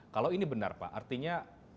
kalau ini benar pak artinya